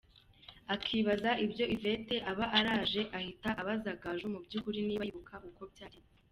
Akibaza ibyo Yvette aba araje ahita abaza Gaju mu byukuri niba yibuka uko byagenze.